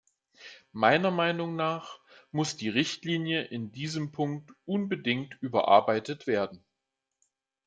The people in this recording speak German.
Meiner Meinung nach muss die Richtlinie in diesem Punkt unbedingt überarbeitet werden.